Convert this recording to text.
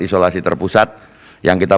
isolasi terpusat yang kita